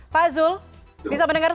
pak zul bisa mendengar